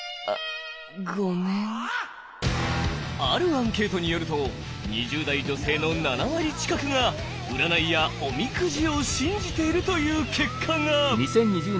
あるアンケートによると２０代女性の７割近くが占いやおみくじを信じているという結果が！